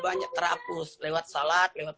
banyak terhapus lewat salat lewat